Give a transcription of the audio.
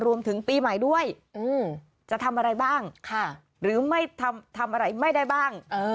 ปีใหม่ด้วยจะทำอะไรบ้างหรือไม่ทำอะไรไม่ได้บ้าง